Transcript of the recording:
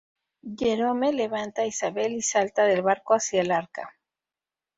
Jerome levanta a Isabel y salta del barco hacia el Arca.